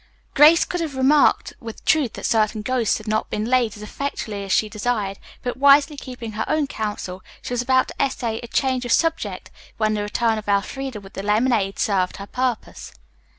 Grace could have remarked with truth that certain ghosts had not been laid as effectually as she desired, but wisely keeping her own counsel she was about to essay a change of subject when the return of Elfreda with the lemonade served her purpose.